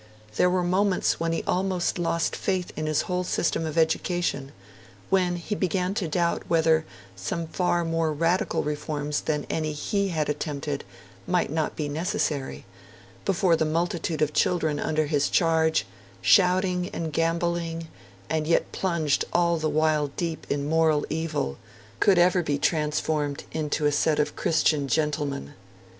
There were moments when he almost lost faith in his whole system of education, when he began to doubt whether some far more radical reforms than any he had attempted might not be necessary, before the multitude of children under his charge shouting and gambolling, and yet plunged all the while deep in moral evil could ever be transformed into a set of Christian gentlemen.